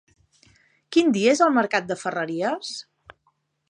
Quin dia és el mercat de Ferreries?